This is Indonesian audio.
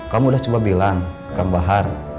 kamu udah coba bilang kang bahar